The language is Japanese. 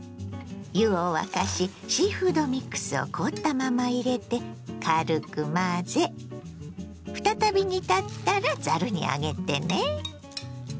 湯を沸かしシーフードミックスを凍ったまま入れて軽く混ぜ再び煮立ったらざるに上げてね。